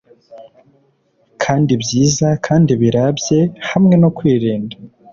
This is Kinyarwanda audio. kandi byiza kandi birabye, hamwe no kwirinda